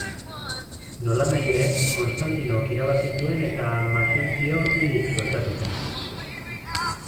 Nolanahi ere, Konstantinok irabazi zuen eta Maxentzio hilik suertatu zen.